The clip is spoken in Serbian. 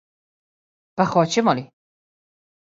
Па, хоћемо ли?